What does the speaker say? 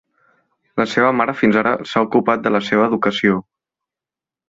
La seva mare fins ara s'ha ocupat de la seva educació.